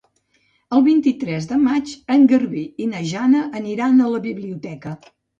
El vint-i-tres de maig en Garbí i na Jana aniran a la biblioteca.